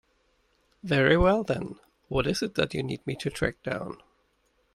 Very well then, what is it that you need me to track down?